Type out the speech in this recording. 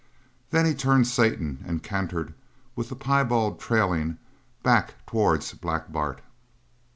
Then he turned Satan and cantered, with the piebald trailing, back towards Black Bart.